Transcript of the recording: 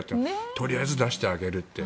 とりあえず出してあげるって。